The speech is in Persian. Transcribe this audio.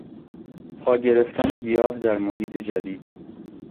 پا گرفتن گیاه در محیط جدید